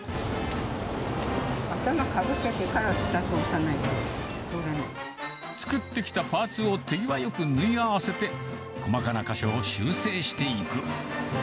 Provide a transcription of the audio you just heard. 頭かぶせてから下、作ってきたパーツを手際よく縫い合わせて、細かな箇所を修整していく。